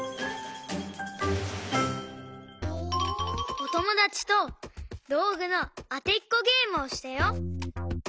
おともだちとどうぐのあてっこゲームをしたよ。